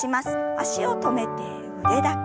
脚を止めて腕だけ。